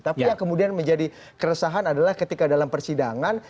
tapi yang kemudian menjadi keresahan adalah ketika dalam persidangan